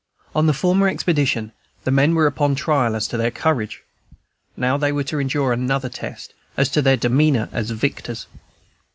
On the former expedition the men were upon trial as to their courage; now they were to endure another test, as to their demeanor as victors.